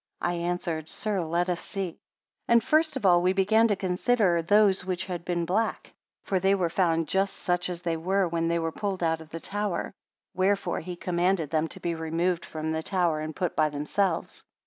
I answered, Sir, let us see. 64 And first of all we began to consider those which had been black; for they were found just such as they were when they were pulled out of the tower: wherefore he commanded them to be removed from the tower and put by themselves.